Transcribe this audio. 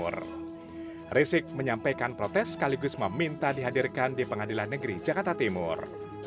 rizik menyampaikan protes sekaligus meminta dihadirkan di pengadilan negeri jakarta timur